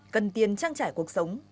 cần tiền trang trải cuộc sống